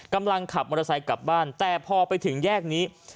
กำลังขับมอเตอร์ไซค์กลับบ้านแต่พอไปถึงแยกนี้